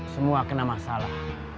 semua kena masalah